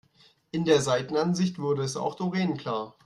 In der Seitenansicht wurde es auch Doreen klar.